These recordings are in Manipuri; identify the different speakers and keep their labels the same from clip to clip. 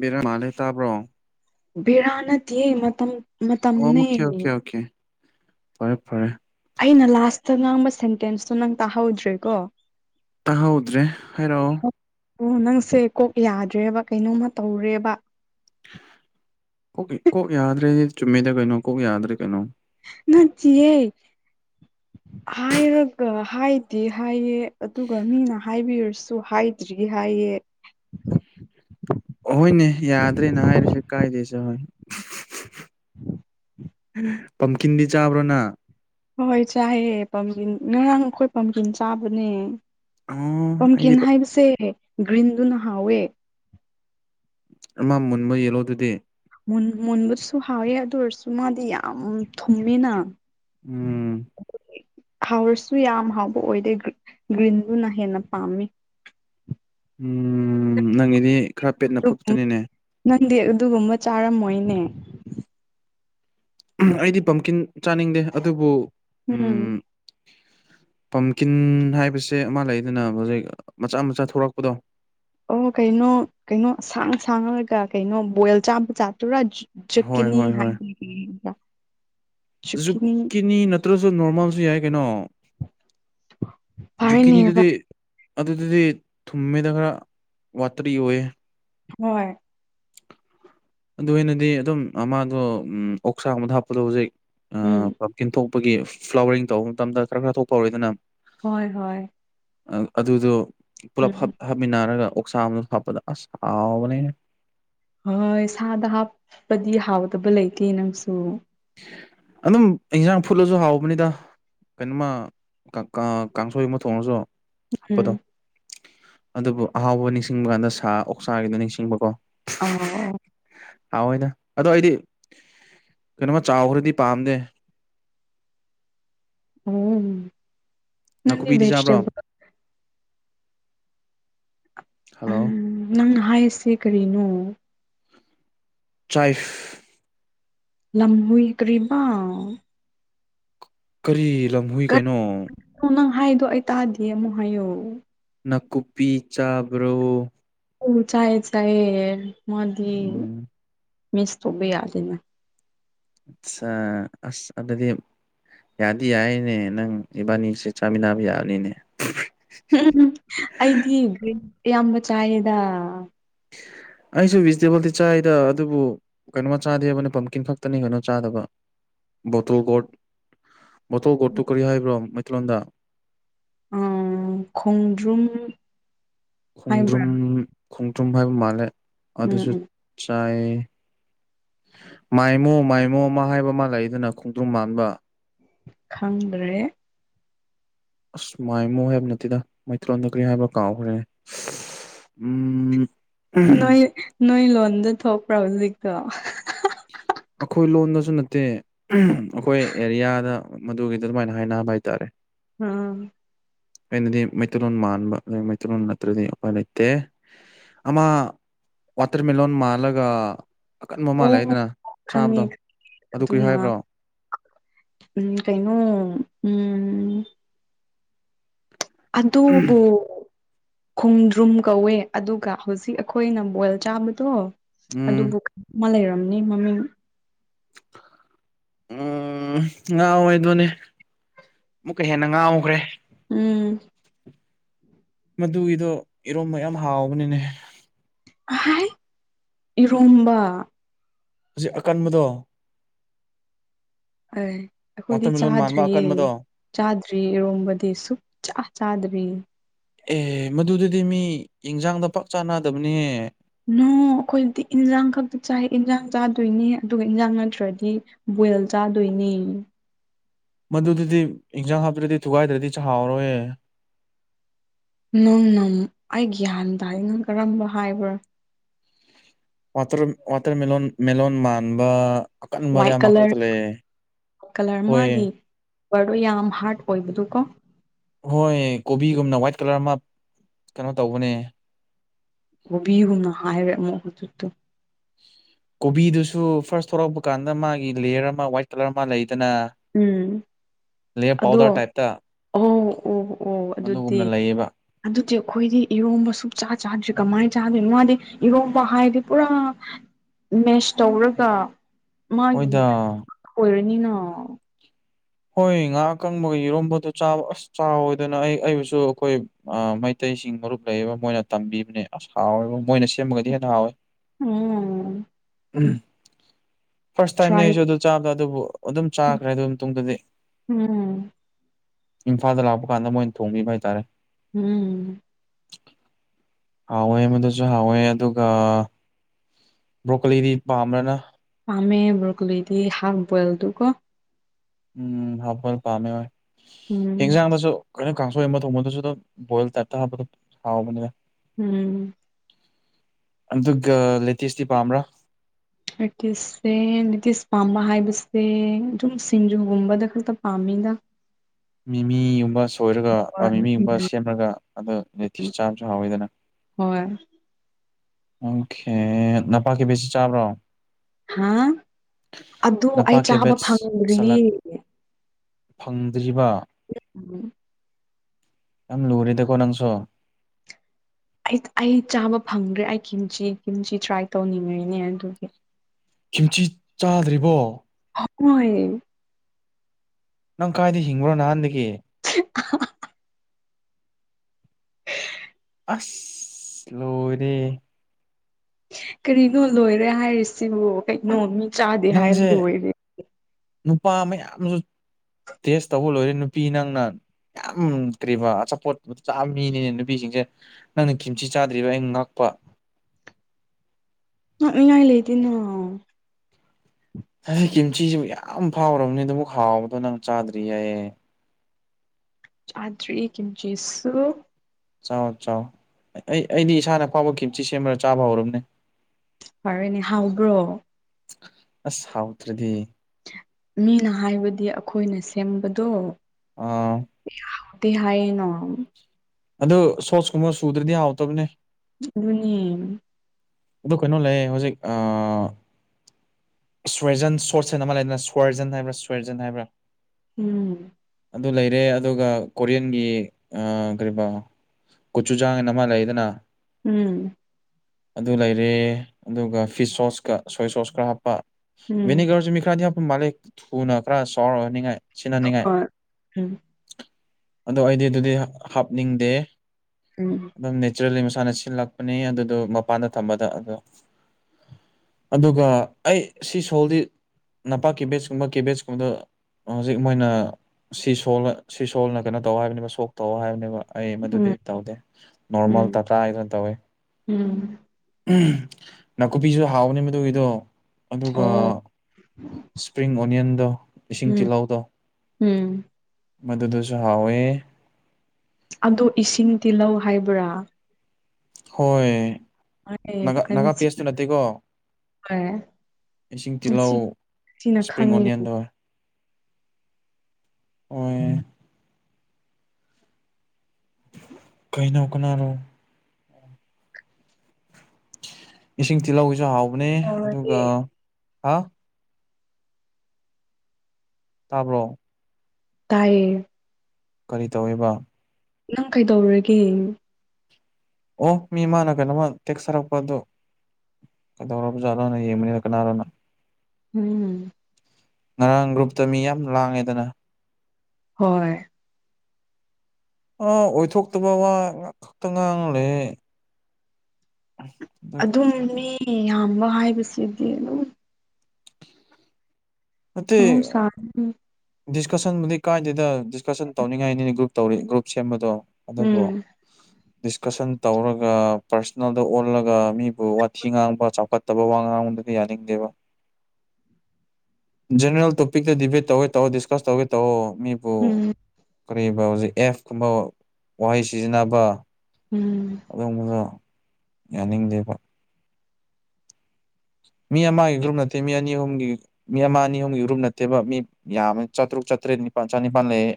Speaker 1: ꯕꯤꯔꯥ ꯃꯥꯂꯦ ꯇꯥꯕ꯭ꯔꯣ
Speaker 2: ꯕꯦꯔꯥ ꯅꯠꯇꯤꯌꯦ ꯃꯇꯝ ꯃꯇꯝꯅꯦ
Speaker 1: ꯑꯣꯀꯦ ꯑꯣꯀꯦ ꯑꯣꯀꯦ ꯐꯔꯦ ꯐꯔꯦ
Speaker 2: ꯑꯩꯅ ꯂꯥꯁꯇ ꯉꯥꯡꯕ ꯁꯦꯟꯇꯦꯟꯁꯇꯣ ꯅꯪ ꯇꯥꯍꯧꯗ꯭ꯔꯦꯀꯣ
Speaker 1: ꯇꯥꯍꯧꯗ꯭ꯔꯦ ꯍꯥꯏꯔꯛꯑꯣ
Speaker 2: ꯑꯣ ꯅꯪꯁꯦ ꯀꯣꯛ ꯌꯥꯗ꯭ꯔꯦꯕ ꯀꯩꯅꯣꯝꯃ ꯇꯧꯔꯦꯕ
Speaker 1: ꯀꯣꯛꯀꯤ ꯀꯣꯛ ꯌꯥꯗ꯭ꯔꯦ ꯆꯨꯝꯃꯤꯗ ꯀꯩꯅꯣ ꯀꯣꯛ ꯌꯥꯗ꯭ꯔꯦ ꯀꯩꯅꯣ
Speaker 2: ꯅꯠꯇꯤꯌꯦ
Speaker 1: [inaudible]
Speaker 2: ꯍꯥꯏꯔꯒ ꯍꯥꯏꯗꯦ ꯍꯥꯏꯌꯦ ꯑꯗꯨꯒ ꯃꯤꯅ ꯍꯥꯏꯕꯤꯔꯁꯨ ꯍꯥꯏꯗ꯭ꯔꯤ ꯍꯥꯏꯌꯦ
Speaker 1: ꯍꯣꯏꯅꯦ ꯌꯥꯗ꯭ꯔꯦꯅ ꯍꯥꯏꯔꯁꯦ ꯀꯥꯏꯗꯦ ꯍꯣꯏ ꯄꯝꯀꯤꯟꯗꯤ ꯆꯥꯕ꯭ꯔꯣ ꯅ
Speaker 2: ꯍꯣꯏ ꯍꯣꯏ ꯆꯥꯏꯌꯦ ꯄꯝꯀꯤꯟ ꯅꯤꯉꯣꯟ ꯈꯣꯏ ꯄꯝꯀꯤꯟ ꯆꯥꯕꯅꯦ
Speaker 1: ꯑꯣ ꯑꯩꯗꯤ
Speaker 2: ꯀꯝꯀꯤꯟ ꯍꯥꯏꯕꯁꯦ ꯒ꯭ꯔꯤꯟꯗꯨꯅ ꯍꯥꯎꯋꯦ
Speaker 1: ꯑꯃ ꯃꯨꯟꯕ ꯌꯦꯜꯂꯣꯗꯨꯗꯤ
Speaker 2: ꯃꯨꯟ ꯃꯨꯟꯕꯁꯨ ꯍꯥꯎꯋꯦ ꯑꯗꯨ ꯑꯣꯏꯔꯁꯨ ꯃꯥꯗꯤ ꯌꯥꯝ ꯊꯨꯝꯃꯦꯅ
Speaker 1: ꯎꯝ
Speaker 2: ꯍꯥꯎꯔꯁꯨ ꯌꯥꯝ ꯍꯥꯎꯕ ꯑꯣꯏꯗꯦ ꯒ꯭ꯔꯤ ꯒ꯭ꯔꯤꯟꯗꯨꯅ ꯍꯦꯟꯅ ꯄꯥꯝꯃꯦ
Speaker 1: ꯎꯝ ꯅꯪꯒꯤꯗꯤ ꯈꯔ ꯄꯦꯠꯅ ꯐꯨꯠꯇꯨꯅꯤꯅꯦ
Speaker 2: ꯅꯪꯗꯤ ꯑꯗꯨꯒꯨꯝꯕ ꯆꯥꯔꯝꯃꯣꯏꯅꯦ
Speaker 1: ꯑꯩꯗꯤ ꯄꯝꯀꯤꯟ ꯆꯥꯅꯤꯡꯗꯦ ꯑꯗꯨꯕꯨ ꯎꯝ ꯄꯝꯀꯤꯟ ꯍꯥꯏꯕꯁꯦ ꯑꯃ ꯂꯩꯗꯅ ꯍꯧꯖꯤꯛ ꯃꯆꯥ ꯃꯆꯥ ꯊꯣꯛꯂꯛꯄꯗꯣ
Speaker 2: ꯑꯣ ꯀꯩꯅꯣ ꯀꯩꯅꯣ ꯁꯥꯡ ꯁꯥꯡꯉꯒ ꯀꯩꯅꯣ ꯕꯣꯏꯜ ꯆꯥꯕ ꯆꯥꯠꯇꯨꯔꯥ
Speaker 1: ꯍꯣꯏ
Speaker 2: ꯆꯨꯀꯤꯅꯤ
Speaker 1: ꯍꯣꯏ ꯍꯣꯏ
Speaker 2: [unintelligible]
Speaker 1: ꯖꯨꯛꯀꯤꯅꯤ ꯅꯠꯇ꯭ꯔꯁꯨ ꯅꯣꯔꯃꯦꯜꯁꯨ ꯌꯥꯏ ꯀꯩꯅꯣ
Speaker 2: ꯐꯔꯦꯅꯦꯕ
Speaker 1: ꯖꯨꯛꯀꯤꯅꯤꯗꯨꯗꯤ ꯑꯗꯨꯗꯨꯗꯤ ꯊꯨꯝꯃꯦꯗ ꯈꯔ ꯋꯥꯠꯇꯔꯤ ꯑꯣꯏꯌꯦ
Speaker 2: ꯍꯣꯏ
Speaker 1: ꯑꯗꯨ ꯑꯣꯏꯅꯗꯤ ꯑꯗꯨꯝ ꯑꯝꯃꯗꯣ ꯑꯣꯛꯁꯥꯒꯨꯝꯕꯗ ꯍꯥꯞꯄꯗꯣ ꯍꯨꯖꯤꯛ
Speaker 2: ꯎꯝ
Speaker 1: ꯄꯝꯀꯤꯟ ꯊꯣꯛꯄꯒꯤ ꯐ꯭ꯂꯥꯋꯔꯤꯡ ꯇꯧꯕ ꯃꯇꯝꯗ ꯈꯔ ꯈꯔ ꯊꯣꯛꯄ ꯍꯧꯔꯦꯗꯅ
Speaker 2: ꯍꯣꯏ ꯍꯣꯏ
Speaker 1: ꯑꯗꯨꯗꯣ ꯄꯨꯂꯞ ꯍꯞ
Speaker 2: ꯎꯝ
Speaker 1: ꯍꯥꯞꯃꯤꯟꯅꯔꯒ ꯑꯣꯛꯁꯥ ꯑꯝꯃꯗꯣ ꯍꯥꯞꯄꯗ ꯑꯁ ꯍꯥꯎꯕꯅꯦꯍꯦ
Speaker 2: ꯍꯣꯏ ꯁꯥꯗ ꯍꯥꯞꯄꯗꯤ ꯍꯥꯎꯇꯕ ꯂꯩꯇꯦ ꯅꯪꯁꯨ
Speaker 1: ꯑꯗꯨꯝ ꯏꯟꯖꯥꯡ ꯐꯨꯠꯂꯖꯨ ꯍꯥꯎꯕꯅꯤꯗ ꯀꯩꯅꯣꯃ ꯀꯥꯡ ꯀꯥꯡꯁꯣꯏ ꯑꯃ ꯊꯣꯡꯉꯁꯨ
Speaker 2: ꯎꯝ
Speaker 1: ꯍꯥꯞꯄꯗꯣ ꯑꯗꯨꯕꯨ ꯑꯍꯥꯎꯕ ꯅꯤꯡꯁꯤꯡꯕ ꯀꯥꯟꯗ ꯁꯥ ꯑꯣꯛꯁꯥꯒꯤꯗꯣ ꯅꯤꯡꯁꯤꯡꯕꯀꯣ
Speaker 2: ꯑꯥꯎ
Speaker 1: ꯍꯥꯎꯋꯦꯗ ꯑꯗꯣ ꯑꯩꯗꯤ ꯀꯩꯅꯣꯝꯃ ꯆꯥꯎꯒ꯭ꯔꯗꯤ ꯄꯥꯝꯗꯦ
Speaker 2: ꯎꯝ ꯅꯪꯗꯤ
Speaker 1: ꯅꯥꯀꯨꯞꯄꯤꯗꯤ ꯆꯥꯕ꯭ꯔꯣ
Speaker 2: ꯚꯦꯖꯤꯇꯦꯕꯜ ꯎꯝ
Speaker 1: ꯍꯜꯂꯣ
Speaker 2: ꯅꯪꯅ ꯍꯥꯏꯁꯦ ꯀꯔꯤꯅꯣ
Speaker 1: ꯆꯥꯏꯐ
Speaker 2: ꯂꯝꯍꯨꯏ ꯀꯔꯤꯕ
Speaker 1: ꯀꯔꯤ ꯂꯝꯍꯨꯏ
Speaker 2: ꯀꯔꯤꯅꯣ
Speaker 1: ꯀꯩꯅꯣ
Speaker 2: ꯅꯪ ꯍꯥꯏꯗꯣ ꯑꯩ ꯇꯥꯗꯦ ꯑꯃꯨꯛ ꯍꯥꯏꯌꯣ
Speaker 1: ꯅꯥꯀꯨꯞꯄꯤ ꯆꯥꯕ꯭ꯔꯣ
Speaker 2: ꯎꯝ ꯆꯥꯏꯌꯦ ꯆꯥꯏꯌꯦ ꯃꯥꯗꯤ
Speaker 1: ꯎꯝ
Speaker 2: ꯃꯤꯁ ꯇꯧꯕ ꯌꯥꯗꯦꯅ
Speaker 1: ꯑꯠꯆꯥ ꯑꯁ ꯑꯗꯨꯗꯤ ꯌꯥꯗꯤ ꯌꯥꯏꯅꯦ ꯅꯪ ꯏꯕꯥꯅꯤꯁꯦ ꯆꯥꯃꯤꯟꯅꯕ ꯌꯥꯕꯅꯤꯅꯦ
Speaker 2: ꯑꯩꯗꯤ ꯒ꯭ꯔꯤꯟ ꯑꯌꯥꯝꯕ ꯆꯥꯏꯌꯦꯗ
Speaker 1: ꯑꯩꯁꯨ ꯚꯤꯖꯤꯇꯦꯕꯜꯗꯤ ꯆꯥꯏꯗ ꯑꯗꯨꯕꯨ ꯀꯩꯅꯣꯝꯃ ꯆꯥꯗꯦꯕꯅꯦ ꯄꯝꯀꯤꯟ ꯈꯛꯇꯅꯤ ꯀꯩꯅꯣ ꯆꯥꯗꯕ ꯕꯣꯇꯣꯒꯣꯠ ꯃꯣꯇꯣ ꯒꯣꯠꯇꯨ ꯀꯔꯤ ꯍꯥꯏꯕ꯭ꯔꯣ ꯃꯩꯇꯩꯂꯣꯟꯗ
Speaker 2: ꯑꯥ ꯈꯣꯡꯗ꯭ꯔꯨꯝ ꯍꯥꯏꯕ꯭ꯔꯥ
Speaker 1: ꯈꯣꯡꯗ꯭ꯔꯨꯝ ꯈꯣꯡꯗ꯭ꯔꯨꯝ ꯍꯥꯏꯕ ꯃꯥꯜꯂꯦ
Speaker 2: ꯎꯝ
Speaker 1: ꯑꯗꯨꯁꯨ
Speaker 2: ꯎꯝ
Speaker 1: ꯆꯥꯏ ꯃꯥꯏꯃꯣ ꯃꯥꯏꯃꯣ ꯑꯃ ꯍꯥꯏꯕ ꯑꯃ ꯂꯩꯗꯅ ꯈꯣꯡꯗ꯭ꯔꯨꯝ ꯃꯥꯟꯕ
Speaker 2: ꯈꯪꯗ꯭ꯔꯦ
Speaker 1: ꯑꯁ ꯃꯥꯏꯃꯣ ꯍꯥꯏꯕ ꯅꯠꯇꯦꯗ ꯃꯩꯇꯩ꯭ꯔꯣꯟꯗ ꯀ꯭ꯔꯤ ꯍꯥꯏꯕ ꯀꯥꯎꯒ꯭ꯔꯦ ꯎꯝ
Speaker 2: ꯅꯣꯏ ꯅꯣꯏ ꯂꯣꯟꯗ ꯊꯣꯛꯄ꯭ꯔꯣ ꯍꯧꯖꯤꯛꯇꯣ
Speaker 1: ꯑꯩꯈꯣꯏ ꯂꯣꯟꯗꯁꯨ ꯅꯠꯇꯦ ꯑꯩꯈꯣꯏ ꯑꯦꯔꯤꯌꯥꯗ ꯃꯗꯨꯒꯤꯗ ꯑꯗꯨꯃꯥꯏꯅ ꯍꯥꯏꯅꯕ ꯍꯥꯏꯇꯥꯔꯦ
Speaker 2: ꯎꯝ
Speaker 1: ꯑꯩꯅꯗꯤ ꯃꯩꯇꯩꯂꯣꯟ ꯃꯥꯟꯕ ꯑꯗꯨ ꯃꯩꯇꯩꯂꯣꯟ ꯅꯠꯇ꯭ꯔꯗꯤ ꯎꯄꯥꯏ ꯂꯩꯇꯦ ꯑꯃ ꯋꯥꯇꯔꯃꯦꯂꯣꯟ ꯃꯥꯜꯂꯒ ꯑꯀꯟꯕꯃ
Speaker 2: ꯑꯣ
Speaker 1: ꯂꯩ [unintelligible] ꯅ ꯆꯥꯕꯗꯣ
Speaker 2: ꯈꯪꯉꯦ
Speaker 1: ꯑꯗꯨ ꯀꯔꯤ
Speaker 2: ꯑꯗꯨꯅ
Speaker 1: ꯍꯥꯏꯕ꯭ꯔꯣ
Speaker 2: ꯎꯝ ꯀꯩꯅꯣ ꯎꯝ ꯑꯗꯨꯕꯨ ꯈꯣꯡꯗ꯭ꯔꯨꯝ ꯀꯧꯋꯦ ꯑꯗꯨꯒ ꯍꯧꯖꯤꯛ ꯑꯩꯈꯣꯏꯅ ꯕꯣꯏꯜ ꯆꯥꯕꯗꯣ
Speaker 1: ꯎꯝ
Speaker 2: ꯑꯗꯨꯕꯨ ꯑꯃ ꯂꯩꯔꯝꯅꯤ ꯃꯃꯤꯡ
Speaker 1: ꯎꯝ ꯉꯥꯎꯋꯦꯗꯨꯅꯤ ꯑꯃꯨꯛꯀ ꯍꯦꯟꯅ ꯉꯥꯎꯈ꯭ꯔꯦ
Speaker 2: ꯎꯝ
Speaker 1: ꯃꯗꯨꯒꯤꯗꯣ ꯏꯔꯣꯝꯕ ꯌꯥꯝ ꯍꯥꯎꯕꯅꯤꯅꯦ
Speaker 2: ꯍꯥꯏ ꯏꯔꯣꯝꯕ
Speaker 1: ꯍꯧꯖꯤꯛ ꯑꯀꯟꯕꯗꯣ
Speaker 2: ꯑꯥꯏ ꯑꯩꯈꯣꯏꯗꯤ
Speaker 1: ꯋꯥꯇꯔꯃꯦꯂꯣꯟ ꯃꯥꯟꯕ
Speaker 2: ꯆꯥꯗ꯭ꯔꯤꯌꯦ
Speaker 1: ꯑꯀꯟꯕꯗꯣ
Speaker 2: ꯆꯥꯗ꯭ꯔꯤ ꯏꯔꯣꯝꯕꯗꯤ ꯁꯨꯛꯆꯥ ꯆꯥꯗ꯭ꯔꯤ
Speaker 1: ꯑꯦ ꯃꯗꯨꯗꯨꯗꯤ ꯃꯤ ꯏꯟꯖꯥꯡꯗ ꯄꯥꯛ ꯆꯥꯅꯗꯕꯅꯦ
Speaker 2: ꯅꯣ ꯑꯩꯈꯣꯏꯗꯤ ꯏꯟꯖꯥꯡ ꯈꯛꯇ ꯆꯥꯏ ꯏꯟꯖꯥꯡ ꯆꯥꯗꯣꯏꯅꯦ ꯑꯗꯨꯒ ꯏꯟꯖꯥꯡ ꯅꯠꯇ꯭ꯔꯗꯤ ꯕꯣꯏꯜ ꯆꯥꯗꯣꯏꯅꯤ
Speaker 1: ꯃꯗꯨꯗꯨꯗꯤ ꯏꯟꯖꯥꯡ ꯍꯥꯞꯇ꯭ꯔꯗꯤ ꯊꯨꯒꯥꯏꯗ꯭ꯔꯗꯤ ꯆꯥꯛꯍꯥꯎꯔꯣꯏꯌꯦ
Speaker 2: ꯅꯪꯅꯝ ꯑꯩ ꯒ꯭ꯌꯥꯟ ꯇꯥ ꯅꯪ ꯀꯔꯝꯕ ꯍꯥꯏꯕ꯭ꯔꯥ
Speaker 1: ꯋꯥꯇꯔ ꯋꯥꯇꯔꯃꯦꯅꯣꯟ ꯃꯦꯂꯣꯟ ꯃꯥꯟꯕ ꯑꯀꯟꯕꯗꯤ
Speaker 2: ꯋꯥꯏꯠ
Speaker 1: ꯑꯃꯈꯛꯇ
Speaker 2: ꯀꯂꯔ
Speaker 1: ꯂꯩꯌꯦ
Speaker 2: ꯀꯂꯔ
Speaker 1: ꯍꯣꯏ
Speaker 2: ꯃꯥꯒꯤ ꯀꯔꯗꯣ ꯌꯥꯝ ꯍꯥꯔꯠ ꯑꯣꯏꯕꯗꯨ ꯀꯣ
Speaker 1: ꯍꯣꯏ ꯀꯣꯕꯤꯒꯨꯝꯅ ꯋꯥꯏꯠ ꯀꯂꯔ ꯑꯃ ꯀꯩꯅꯣ ꯇꯧꯕꯅꯦ
Speaker 2: ꯀꯣꯕꯤꯒꯨꯝꯅ ꯍꯥꯏꯔꯦ ꯑꯃꯨꯛ ꯍꯧꯖꯤꯛꯇꯣ
Speaker 1: ꯀꯣꯕꯤꯗꯨꯁꯨ ꯐꯥꯔꯁ ꯊꯣꯔꯛꯄ ꯀꯥꯟꯗ ꯃꯥꯒꯤ ꯂꯦꯌꯔ ꯑꯃ ꯋꯥꯏꯠ ꯀꯂꯔ ꯑꯃ ꯂꯩꯗꯅ
Speaker 2: ꯎꯝ
Speaker 1: ꯂꯦꯌꯔ
Speaker 2: ꯑꯗꯣ
Speaker 1: ꯄꯥꯎꯗꯔ ꯇꯥꯏꯞꯇ
Speaker 2: ꯑꯣ ꯑꯣ ꯑꯣ ꯑꯗꯨꯗꯤ
Speaker 1: ꯃꯗꯨꯒꯨꯝꯅ ꯂꯩꯌꯦꯕ
Speaker 2: ꯑꯗꯨꯗꯤ ꯑꯩꯈꯣꯏꯗꯤ ꯏꯔꯣꯝꯕ ꯁꯨꯡꯆꯥ ꯆꯥꯗ꯭ꯔꯤ ꯀꯃꯥꯏꯅ ꯆꯥꯗꯣꯏꯅꯣ ꯃꯥꯗꯤ ꯏꯔꯣꯝꯕ ꯍꯥꯏꯗꯤ ꯄꯨꯔꯥ ꯃꯦꯁ ꯇꯧꯔꯒ ꯃꯥꯒꯤ
Speaker 1: ꯍꯣꯏꯗ
Speaker 2: ꯑꯣꯏꯔꯅꯤꯅ
Speaker 1: ꯍꯣꯏ ꯉꯥ ꯑꯀꯪꯕꯒ ꯏꯔꯣꯝꯕꯗꯣꯥ ꯑꯁ ꯆꯥꯎꯋꯣꯏꯗꯅ ꯑꯩ ꯑꯩꯕꯨꯁꯨ ꯑꯩꯈꯣꯏ ꯑꯥ ꯃꯩꯇꯩꯁꯤꯡ ꯃꯔꯨꯞ ꯂꯩꯕ ꯃꯣꯏꯅ ꯇꯝꯕꯤꯕꯅꯦ ꯑꯁ ꯍꯥꯎꯋꯦꯕ ꯃꯣꯏꯅ ꯁꯦꯝꯃꯒꯗꯤ ꯍꯦꯟꯅ ꯍꯥꯎꯋꯦ
Speaker 2: ꯎꯝ
Speaker 1: ꯎꯝ ꯐꯥꯔꯁ ꯇꯥꯏꯝꯅꯤ
Speaker 2: ꯇ꯭ꯔꯥꯏ
Speaker 1: ꯑꯩꯁꯨ ꯑꯗꯨ ꯆꯥꯕꯗꯣ ꯑꯗꯨꯕꯨ ꯑꯗꯨꯝ ꯆꯥꯈ꯭ꯔꯦ ꯑꯗꯨ ꯇꯨꯡꯗꯗꯤ
Speaker 2: ꯎꯝ
Speaker 1: ꯏꯝꯐꯥꯜꯗ ꯂꯥꯛꯄ ꯀꯥꯟꯗ ꯃꯣꯏꯅ ꯊꯣꯡꯕꯤꯕ ꯍꯥꯏꯇꯥꯔꯦ
Speaker 2: ꯎꯝ
Speaker 1: ꯍꯥꯎꯋꯦ ꯃꯗꯨꯁꯨ ꯍꯥꯎꯋꯦ ꯑꯗꯨꯒ ꯕ꯭ꯔꯣꯀꯣꯂꯤ ꯗꯤ ꯄꯥꯝꯕ꯭ꯔ ꯅ
Speaker 2: ꯄꯥꯝꯃꯦ ꯕ꯭ꯔꯣꯀꯣꯂꯤꯗꯤ ꯍꯥꯐ ꯕꯣꯏꯜ ꯇꯨꯀꯣ
Speaker 1: ꯎꯝ ꯍꯥꯞ ꯄꯥꯝꯃꯦ ꯍꯣꯏ
Speaker 2: ꯎꯝ
Speaker 1: ꯌꯦꯟꯖꯥꯡꯗꯁꯨ ꯑꯩꯈꯣꯏꯅ ꯀꯥꯡꯁꯣꯏ ꯑꯃ ꯊꯣꯡꯕꯗꯨꯁꯨ ꯑꯗꯨꯝ ꯕꯣꯏꯜ ꯇꯥꯏꯞꯇ ꯍꯥꯞꯄꯗ ꯍꯥꯎꯕꯅꯤꯗ
Speaker 2: ꯎꯝ
Speaker 1: ꯑꯗꯨꯒ ꯂꯦꯇꯦꯁꯇꯤ ꯄꯥꯝꯕ꯭ꯔꯥ꯫
Speaker 2: ꯂꯦꯛꯇꯤꯁꯁꯦ ꯂꯦꯛꯇꯤꯁ ꯄꯥꯝꯕ ꯍꯥꯏꯕꯁꯦ ꯑꯗꯨꯝ ꯁꯤꯡꯖꯨꯒꯨꯝꯕꯗ ꯈꯛꯇ ꯄꯥꯝꯃꯤꯗ꯫
Speaker 1: ꯃꯤꯃꯤꯒꯨꯝꯕ ꯁꯣꯏꯔꯒ ꯑ ꯃꯤꯃꯤꯒꯨꯝꯕ ꯁꯦꯝꯃꯒ ꯑꯗ ꯂꯦꯛꯇꯤꯁ ꯆꯥꯕꯁꯨ ꯍꯥꯎꯋꯤꯗꯅ꯫
Speaker 2: ꯍꯣꯏ꯫
Speaker 1: ꯑꯣꯀꯦ ꯅꯄꯥꯛ ꯀꯦꯕꯦꯖ ꯆꯥꯕ꯭ꯔꯣ꯫
Speaker 2: ꯍꯥ ꯑꯗꫭ ꯑꯩ
Speaker 1: ꯅꯄꯥꯛ
Speaker 2: ꯆꯥꯕ
Speaker 1: ꯀꯦꯕꯦꯖ
Speaker 2: ꯐꯪꯗ꯭ꯔꯤꯌꯦ꯫
Speaker 1: ꯐꯪꯗ꯭ꯔꯤꯕꯥ꯫
Speaker 2: [unintelligible]
Speaker 1: ꯌꯥꯝ ꯂꯨꯔꯦꯗꯀꯣ ꯅꯪꯁꯨ꯫
Speaker 2: ꯑꯩ ꯑꯩ ꯆꯥꯕ ꯐꯪꯗ꯭ꯔꯦ ꯑꯩ ꯀꯤꯝꯆꯤ ꯀꯤꯝꯆꯤ ꯇ꯭ꯔꯥꯏ ꯇꯧꯅꯤꯡꯉꯤꯅꯦ ꯑꯗꯨꯒꯤ꯫
Speaker 1: ꯀꯤꯝꯆꯤ ꯆꯥꯗ꯭ꯔꯤꯕꯣ꯫
Speaker 2: ꯍꯣꯏ꯫
Speaker 1: ꯅꯪ ꯀꯥꯏꯗ ꯍꯤꯡꯕ꯭ꯔꯣ ꯅꯍꯥꯟꯗꯒꯤ꯫
Speaker 2: [unintelligible]
Speaker 1: ꯑꯁ ꯂꯣꯏꯔꯦ꯫
Speaker 2: ꯀꯔꯤꯅꯣ ꯂꯣꯏꯔꯦ ꯍꯥꯏꯔꯤꯁꯤꯕꯨ ꯀꯩꯅꯣ ꯃꯤ ꯆꯥꯗꯦ ꯍꯥꯏꯔ
Speaker 1: ꯅꯪꯖꯦ
Speaker 2: ꯂꯣꯏꯔꯦ
Speaker 1: ꯅꯨꯄꯥ ꯃꯌꯥꯝꯁꯨ ꯇꯦꯁ ꯇꯧꯕ ꯂꯣꯏꯔꯦ ꯅꯨꯄꯤ ꯅꯪꯅ ꯌꯥꯝ ꯀꯔꯤꯕꯥ ꯑꯆꯥꯄꯣꯠ ꯆꯥꯕ ꯃꯤꯅꯤꯅꯦ ꯅꯨꯄꯤꯁꯤꯡꯖꯦ꯫ ꯅꯪꯅ ꯀꯤꯝꯁꯤ ꯆꯥꯗ꯭ꯔꯤꯕ ꯑꯩꯅ ꯉꯥꯛꯄ꯫
Speaker 2: ꯉꯛꯅꯤꯡꯉꯥꯏ ꯂꯩꯇꯦꯅꯥ꯫
Speaker 1: ꯍꯩ ꯀꯤꯝꯆꯤꯖꯦ ꯃꯌꯥꯝ ꯐꯥꯎꯔꯕꯅꯤ ꯑꯗꯨꯃꯨꯛ ꯍꯥꯎꯕꯗꯣ ꯅꯪ ꯆꯥꯗ꯭ꯔꯤ ꯍꯥꯏꯌꯦ꯫
Speaker 2: ꯆꯥꯗ꯭ꯔꯤ ꯀꯝꯆꯤꯁꯨ꯫
Speaker 1: ꯆꯥꯎ ꯆꯥꯎ ꯑꯩ ꯑꯩꯗꯤ ꯏꯁꯥꯅ ꯐꯥꯎ ꯀꯤꯝꯆꯤ ꯁꯦꯝꯔꯒ ꯆꯥꯕ ꯍꯧꯔꯕꯅꯦ꯫
Speaker 2: ꯐꯔꯦꯅꯦ ꯍꯥꯎꯕ꯭ꯔꯣ꯫
Speaker 1: ꯑꯁ ꯍꯥꯎꯇ꯭ꯔꯗꯤ꯫
Speaker 2: ꯃꯤꯅ ꯍꯥꯏꯕꯗꯤ ꯑꯩꯈꯣꯏꯅ ꯁꯦꯝꯕꯗꯣ
Speaker 1: ꯑꯥ꯫
Speaker 2: ꯇꯦ ꯍꯥꯏꯌꯦꯅꯣ꯫
Speaker 1: ꯑꯗꯨ ꯁꯣꯁꯀꯨꯝꯕ ꯁꯨꯗ꯭ꯔꯗꯤ ꯍꯥꯎꯇꯕꯅꯦ꯫
Speaker 2: ꯑꯗꯨꯅꯤ꯫
Speaker 1: ꯑꯗꯨ ꯀꯩꯅꯣ ꯂꯩꯌꯦ ꯍꯧꯖꯤꯛ ꯑꯥ ꯁ꯭ꯋꯔꯖꯟ ꯁꯣꯔꯠꯁ ꯍꯥꯏꯅ ꯑꯃ ꯂꯩꯗꯅ ꯁ꯭ꯋꯔꯖꯟ ꯍꯥꯏꯕꯔꯥ ꯁ꯭ꯋꯦꯔꯖꯟ ꯍꯥꯏꯕ꯭ꯔꯥ꯫
Speaker 2: ꯎꯝ꯫
Speaker 1: ꯑꯗꯨ ꯂꯩꯔꯦ ꯑꯗꯨꯒ ꯀꯣꯔꯤꯌꯟꯒꯤ ꯑ ꯀꯔꯤꯕ꯫ ꯒꫭꯆꯨꯖꯥꯡ ꯑꯅ ꯑꯃ ꯂꯩꯗꯅ꯫
Speaker 2: ꯎꯝ꯫
Speaker 1: ꯑꯗꯨ ꯂꯩꯔꯦ ꯑꯗꯨꯒ ꯐꯤꯁ ꯁꯣꯁꯀ ꯁꯣꯏ ꯁꯣꯁ ꯈꯔ ꯍꯥꯞꯄ꯫
Speaker 2: ꯎꯝ
Speaker 1: ꯕꯤꯅꯤꯒꯔꯁꯨ ꯃꯤ ꯈ꯭ꯔꯗꯤ ꯃꯥꯜꯂꯦ ꯊꯨꯅ ꯈꯔ ꯁꯥꯎꯔ ꯑꫭꯏꯅꯤꯡꯉꯥꯏ꯫ ꯁꯤꯟꯍꯟꯅꯤꯡꯉꯥꯏ
Speaker 2: ꯍꯣꯏ ꯎꯝ
Speaker 1: ꯑꯗꯣ ꯑꯩꯗꯤ ꯑꯗꯨꯗꯤ ꯍꯥꯞꯅꯤꯡꯗꯦ꯫
Speaker 2: ꯎꯝ꯫
Speaker 1: ꯑꯗꯨꯝ ꯅꯦꯆꯔꯦꯜꯂꯤ ꯃꯁꯥꯅ ꯁꯤꯜꯂꯛꯄꯅꯤ ꯑꯗꯨꯗꯣ ꯃꯄꯥꯟꯗ ꯊꯝꯕꯗ ꯑꯗꯣ꯫ ꯑꯗꯨꯒ ꯑꯩ ꯁꯤ ꯁꯣꯜꯗꯤ ꯅꯄꯥꯛ ꯀꯦꯕꯦꯖꯀꯨꯝꯕ ꯀꯦꯕꯦꯖꯀꯨꯝꯕꯗ ꯍꯧꯖꯤꯛ ꯃꯣꯏꯅ ꯁꯤ ꯁꯣꯜꯒ ꯁꯤ ꯁꯣꯜꯅ ꯀꯩꯅꯣ ꯇꯧ ꯍꯥꯏꯕꯅꯦꯕ ꯁꯣꯛ ꯇꯧ ꯍꯥꯏꯕꯅꯦꯕ꯫ ꯑꯩ ꯃꯗꯨꯗꯤ
Speaker 2: ꯎꯝ
Speaker 1: ꯇꯧꯗꯦ
Speaker 2: ꯎꯝ
Speaker 1: ꯅꯣꯔꯃꯦꯜꯗ ꯇ꯭ꯔꯥꯏ ꯈꯔ ꯇꯧꯑꯦ꯫
Speaker 2: ꯎꯝ
Speaker 1: ꯎꯝ ꯅꯥꯀꯨꯞꯄꯤꯁꯨ ꯍꯥꯎꯕꯅꯦ ꯃꯗꯨꯒꯤꯗꯣ ꯑꯗꯨꯒ
Speaker 2: ꯑꯣ
Speaker 1: ꯏꯁꯄ꯭ꯔꯤꯡ ꯑꯣꯅꯤꯌꯟꯗꯣ ꯏꯁꯤꯡ
Speaker 2: ꯎꯝ
Speaker 1: ꯇꯤꯜꯍꯧꯗꯣ
Speaker 2: ꯎꯝ
Speaker 1: ꯃꯗꯨꯗꯁꯨ ꯍꯥꯎꯋꯦ
Speaker 2: ꯑꯗꯣ ꯏꯁꯤꯡ ꯇꯤꯜꯂꯧ ꯍꯥꯏꯕꯔꯥ
Speaker 1: ꯍꯣꯏ
Speaker 2: ꯇꯥꯏꯌꯦ
Speaker 1: ꯅꯒ
Speaker 2: ꯑꯩꯅ
Speaker 1: ꯅꯒꯥ ꯄꯤꯌꯥꯁꯇꯨ ꯅꯠꯇꯦꯀꯣ ꯏꯁꯤꯡ
Speaker 2: ꯉꯁꯤ
Speaker 1: ꯇꯤꯜꯍꯧ
Speaker 2: ꯁꯤꯅ
Speaker 1: ꯁꯄ꯭ꯔꯤꯡ
Speaker 2: ꯈꯪꯉꯤ
Speaker 1: ꯑꯣꯅꯤꯌꯟꯗꯣ ꯑꯣꯏ ꯀꯩꯅꯣ ꯀꯅꯥꯔꯣ ꯏꯁꯤꯡ ꯇꯤꯜꯍꯧꯒꯤꯁꯨ ꯍꯥꯎꯕꯅꯦ
Speaker 2: ꯇꯧꯔꯒꯦ
Speaker 1: ꯑꯗꯨꯒ ꯍꯥ ꯇꯥꯕ꯭ꯔꯣ
Speaker 2: ꯇꯥꯏꯌꯦ
Speaker 1: ꯀꯔꯤ ꯇꯧꯋꯦꯕ
Speaker 2: ꯅꯪ ꯀꯩꯗꯧꯔꯒꯦ
Speaker 1: ꯑꯣ ꯃꯤ ꯑꯃꯅ ꯀꯩꯅꯣꯝꯃ ꯇꯦꯛꯁ ꯊꯥꯔꯛꯄ ꯗꯨ ꯀꯩꯗꯧꯔꯕ ꯖꯥꯠꯅꯣꯅ ꯌꯦꯡꯕꯅꯤ ꯀꯅꯥꯔꯣꯅ
Speaker 2: ꯎꯝ
Speaker 1: ꯉꯔꯥꯡ ꯒ꯭ꯔꯨꯞꯇ ꯃꯤ ꯌꯥꯝ ꯂꯥꯡꯉꯦꯗꯅ
Speaker 2: ꯍꯣꯏ
Speaker 1: ꯑꯥ ꯑꯣꯏꯊꯣꯛꯇꯕ ꯋꯥ ꯉꯛꯇ ꯉꯥꯡꯉ ꯂꯩꯌꯦ ꯑꯁ
Speaker 2: ꯑꯗꯨꯝ ꯃꯤ ꯌꯥꯝꯕ ꯍꯥꯏꯕꯁꯤꯗꯤ ꯑꯗꯨꯝ
Speaker 1: ꯅꯠꯇꯦ
Speaker 2: ꯃꯍꯧꯁꯥ ꯎꯝ
Speaker 1: ꯗꯤꯁꯀꯁꯟꯕꯨꯗꯤ ꯀꯥꯏꯗꯦꯗ ꯗꯤꯁꯀꯁꯟ ꯇꯧꯅꯤꯡꯉꯥꯏꯅꯦ ꯒ꯭ꯔꯨꯞ ꯇꯧꯔꯤ ꯒ꯭ꯔꯨꯞ ꯁꯦꯝꯕꯗꯣ ꯑꯗꯨꯕꯣ ꯗꯤꯁꯀꯁꯟ ꯇꯧꯔꯒ ꯄꯔꯁ꯭ꯅꯜꯗ ꯑꯣꯜꯂꯒ ꯃꯤꯕꯨ ꯋꯥꯊꯤ ꯉꯥꯡꯕ ꯆꯥꯎꯈꯠ ꯇꯕ ꯋꯥ ꯉꯥꯡꯕꯗꯤ ꯌꯥꯅꯤꯡꯗꯦꯕ ꯖꯦꯅꯔꯦꯜ ꯇꯣꯄꯤꯛꯇ ꯗꯤꯕꯦꯠ ꯇꯧꯑꯦ ꯇꯧꯑꯣ ꯗꯤꯁꯀꯁ ꯇꯧꯒꯦ ꯇꯧꯑꯣ ꯃꯤ
Speaker 2: ꯎꯝ
Speaker 1: ꯀꯔꯤꯕ ꯍꯧꯖꯤꯛ ꯑꯦꯐ ꯀꯨꯝꯕ ꯋꯥꯍꯩ ꯁꯤꯖꯟꯅꯕ
Speaker 2: ꯎꯝ
Speaker 1: ꯑꯗꯨꯝꯕꯗꯣ ꯌꯥꯅꯤꯡꯗꯦꯕ ꯃꯤ ꯑꯃꯒꯤ ꯒ꯭ꯔꯨꯞ ꯅꯠꯇꯦ ꯃꯤ ꯑꯅꯤ ꯍꯨꯝꯒꯤ ꯃꯤ ꯑꯃ ꯑꯅꯤ ꯑꯍꯨꯝꯒꯤ ꯒ꯭ꯔꯨꯞ ꯅꯠꯇꯦꯕ ꯃꯤ ꯌꯥꯝꯃꯦ ꯆꯇ꯭ꯔꯨꯛ ꯆꯇ꯭ꯔꯦꯠ ꯅꯤꯄꯥꯜ ꯆꯅꯤꯄꯥꯜ ꯂꯩꯌꯦ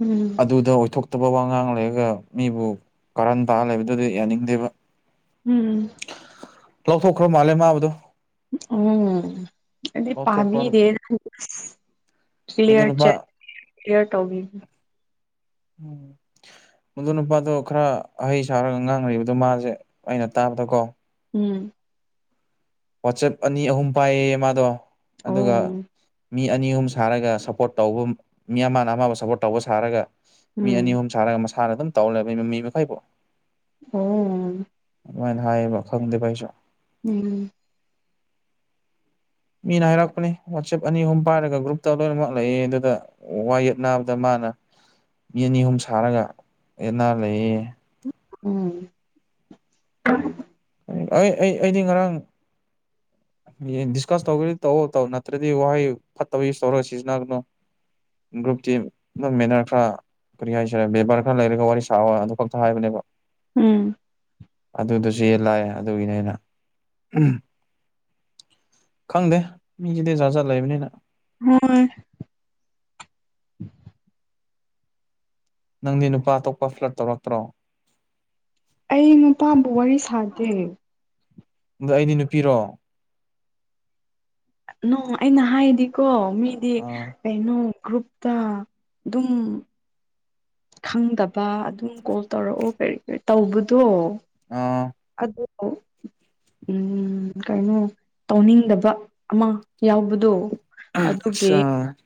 Speaker 2: ꯎꯝ
Speaker 1: ꯑꯗꯨꯗ ꯑꯣꯏꯊꯣꯛꯇꯕ ꯋꯥꯉꯥꯡ ꯂꯩꯔꯒ ꯃꯤꯕꯨ ꯀꯥꯔꯟ ꯇꯥ ꯂꯩꯕꯗꯨꯗꯤ ꯌꯥꯅꯤꯡꯗꯦꯕ
Speaker 2: ꯎꯝ
Speaker 1: ꯂꯧꯊꯣꯛꯈ꯭ꯔ ꯃꯥꯜꯂꯦ ꯃꯥꯕꯨꯗꯣ
Speaker 2: ꯑꯣ ꯑꯩꯗꯤ
Speaker 1: ꯂꯧꯊꯣꯛꯄ꯭ꯔ
Speaker 2: ꯄꯥꯕꯤꯗꯦ
Speaker 1: ꯃꯗꯨ
Speaker 2: ꯀ꯭ꯂꯤꯌ꯭ꯔ ꯆꯦꯠ
Speaker 1: ꯅꯨꯄꯥ
Speaker 2: ꯀ꯭ꯂꯤꯌꯔ ꯇꯧꯕꯤ
Speaker 1: [inaudible] ꯃꯗꯨ ꯅꯨꯄꯥꯗꯣ ꯈꯔ ꯑꯍꯩ ꯁꯥꯔꯒ ꯉꯥꯡꯔꯤꯕꯗꯣ ꯃꯥꯁꯦ ꯑꯩꯅ ꯇꯥꯕꯗꯀꯣ
Speaker 2: ꯎꯝ
Speaker 1: ꯋꯥꯆꯦꯞ ꯑꯅꯤ ꯑꯍꯨꯝ ꯄꯥꯏꯌꯦ ꯌꯦ ꯃꯥꯗꯣ ꯑꯗꯨꯒ
Speaker 2: ꯑꯣ
Speaker 1: ꯃꯤ ꯑꯅꯤ ꯑꯍꯨꯝ ꯁꯥꯔꯒ ꯁꯞꯄꯣꯔꯠ ꯇꯧꯕꯝ ꯃꯤ ꯑꯃꯅ ꯑꯃꯕꯨ ꯁꯞꯄꯣꯔꯠ ꯇꯧꯕ ꯁꯥꯔꯒ ꯃꯤ
Speaker 2: ꯎꯝ
Speaker 1: ꯑꯅꯤ ꯑꯍꯨꯝ ꯁꯥꯔꯒ ꯃꯁꯥꯅ ꯑꯗꯨꯝ ꯇꯧ ꯂꯩꯕꯩ ꯃꯥ ꯃꯤ ꯃꯈꯩꯕꯣ
Speaker 2: ꯑꯣꯝ
Speaker 1: ꯑꯃꯥꯏꯅ ꯍꯥꯏꯌꯦꯕ ꯈꯪꯗꯦꯕ ꯑꯩꯁꯨ
Speaker 2: ꯎꯝ
Speaker 1: ꯃꯤꯅ ꯍꯥꯏꯔꯛꯄꯅꯦ ꯋꯥꯆꯦꯞ ꯑꯅꯤ ꯑꯥꯍꯨꯝ ꯄꯥꯏꯔꯒ ꯒ꯭ꯔꯨꯞꯇ ꯂꯣꯏꯅꯃꯛ ꯂꯩꯌꯦ ꯑꯗꯨꯗ ꯋꯥ ꯌꯦꯠꯅꯕꯗ ꯃꯥꯅ ꯃꯤ ꯑꯅꯤ ꯑꯍꯨꯝ ꯁꯥꯔꯒ ꯌꯦꯠꯅ ꯂꯩꯌꯦ
Speaker 2: ꯎꯝ
Speaker 1: ꯑꯩ ꯑꯩ ꯑꯩꯗꯤ ꯉꯔꯥꯡ ꯑꯦ ꯗꯤꯁꯀꯁ ꯇꯧꯒꯦꯗꯤ ꯇꯧꯑꯣ ꯇꯧ ꯅꯠꯇ꯭ꯔꯗꯤ ꯋꯥꯍꯩ ꯐꯠꯇꯕ ꯌꯨꯁ ꯇꯧꯔꯒ ꯁꯤꯖꯤꯟꯅꯒꯅꯨ ꯒ꯭ꯔꯨꯞꯇꯤ ꯅꯪ ꯃꯦꯅꯔ ꯈꯔ ꯀꯔꯤ ꯍꯥꯏꯁꯤꯔ ꯕꯦꯕꯥꯔ ꯈꯔ ꯂꯩꯔꯒ ꯋꯥꯔꯤ ꯁꯥꯋꯣ ꯑꯗꯨ ꯈꯛꯇ ꯍꯥꯏꯕꯅꯦꯕ
Speaker 2: ꯎꯝ
Speaker 1: ꯑꯗꯨꯗꯖꯨ ꯌꯦꯠꯂꯥꯛꯑꯦ ꯑꯗꯨꯒꯤꯅꯦ ꯑꯩꯅ ꯎꯝ ꯈꯪꯗꯦ ꯃꯤꯖꯤꯗꯤ ꯖꯥ ꯖꯥ ꯂꯩꯕꯅꯤꯅ
Speaker 2: ꯍꯣꯏ
Speaker 1: ꯅꯪꯗꯤ ꯅꯨꯄꯥ ꯑꯇꯣꯞꯄ ꯐ꯭ꯂꯠ ꯇꯧꯔꯛꯇ꯭ꯔꯣ
Speaker 2: ꯑꯩ ꯅꯨꯄꯥꯕꯨ ꯋꯥꯔꯤ ꯁꯥꯗꯦ
Speaker 1: ꯑꯗꯣ ꯑꯩꯗꯤ ꯅꯨꯄꯤꯔꯣ
Speaker 2: ꯅꯣ ꯑꯩꯅ ꯍꯥꯏꯗꯤꯀꯣ ꯃꯤꯗꯤ
Speaker 1: ꯑꯥ
Speaker 2: ꯀꯩꯅꯣ ꯒ꯭ꯔꯨꯞꯇ ꯗꯨꯝ ꯈꯪꯗꯕ ꯑꯗꯨꯝ ꯀꯣꯜ ꯇꯧꯔꯛꯑꯣ ꯀ꯭ꯔꯤ ꯀꯔꯤ ꯇꯧꯕꯗꯣ
Speaker 1: ꯑꯥꯎ
Speaker 2: ꯑꯗꯣ ꯎꯝ ꯀꯩꯅꯣ ꯇꯧꯅꯤꯡꯗꯕ ꯑꯃ ꯌꯥꯎꯕꯗꯣ ꯑꯗꯨꯒꯤ
Speaker 1: ꯆꯥꯔ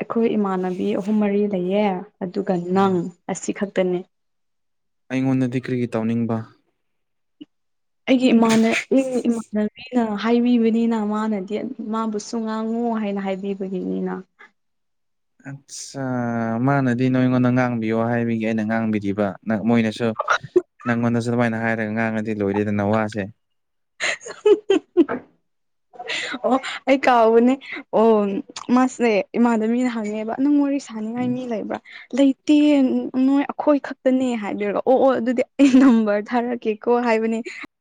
Speaker 2: ꯑꯩꯈꯣꯏ ꯏꯃꯥꯟꯅꯕꯤ ꯑꯍꯨꯝ ꯃꯔꯤ ꯂꯩꯌꯦ ꯑꯗꯨꯒ ꯅꯪ ꯑꯁꯤꯈꯛꯇꯅꯦ
Speaker 1: ꯑꯩꯉꯣꯟꯗꯗꯤ ꯀ꯭ꯔꯤꯒꯤ ꯇꯧꯅꯤꯡꯕ
Speaker 2: ꯑꯩꯒꯤ ꯏꯃꯥꯟ ꯏꯃꯥꯟꯅꯕꯤꯅ ꯍꯥꯏꯕꯤꯕꯅꯤꯅ ꯃꯥꯅꯗꯤ ꯃꯥꯕꯨꯁꯨ ꯇꯨ ꯉꯥꯡꯉꯨ ꯍꯥꯏꯅ ꯍꯥꯏꯕꯤꯕꯒꯤꯅꯤꯅ
Speaker 1: ꯑꯠꯆꯥ ꯃꯥꯅꯗꯤ ꯅꯣꯏꯉꯣꯟꯗ ꯉꯥꯡꯕꯤꯌꯣ ꯍꯥꯏꯕꯒꯤ ꯑꯩꯅ ꯉꯥꯡꯕꯤꯔꯤꯕ ꯃꯣꯏꯅꯁꯨ ꯅꯪꯉꯣꯟꯗꯁꯨ ꯑꯗꯨꯃꯥꯏꯅ ꯍꯥꯏꯔꯒꯥ ꯉꯥꯡꯉꯗꯤ ꯂꯣꯏꯔꯦꯗꯅ ꯋꯥꯁꯦ
Speaker 2: [unintelligible]
Speaker 1: [inaudible]
Speaker 2: ꯑꯣ ꯑꯩ ꯀꯥꯎꯕꯅꯦ ꯑꯣꯟ ꯃꯥꯁꯦ ꯏꯃꯥꯟꯅꯕꯤꯅ ꯍꯪꯉꯦꯕ ꯅꯪ ꯋꯥꯔꯤ
Speaker 1: ꯎꯝ
Speaker 2: ꯁꯥꯅꯤꯡꯉꯥꯏ ꯃꯤ ꯂꯩꯕ꯭ꯔꯥ ꯂꯩꯇꯦ ꯅꯣꯏ ꯑꯈꯣꯏ ꯈꯛꯇꯅꯦ ꯍꯥꯏꯗꯣꯢꯕ ꯑꯣ ꯑꯣ ꯑꯗꯨꯗꯤ ꯑꯩ ꯅꯝꯕꯔ ꯊꯥꯔꯛꯀꯦ ꯀꯣ ꯍꯥꯏꯕꯅꯤ